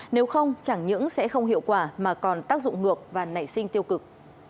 nếu không chẳng những sẽ không hiệu quả mà còn tác dụng ngược và nảy sinh tiêu cực